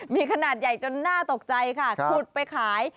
มีขนาดใหญ่จนน่าตกใจค่ะขุดไปขาย